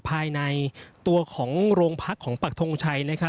ภายในตัวของโรงพักของปักทงชัย